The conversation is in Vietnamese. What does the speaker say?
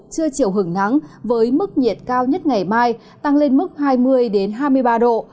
chưa chịu hứng nắng với mức nhiệt cao nhất ngày mai tăng lên mức hai mươi hai mươi ba độ